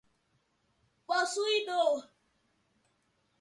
possuidor